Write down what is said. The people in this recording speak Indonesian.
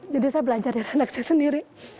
jadi saya belajar dari anak saya sendiri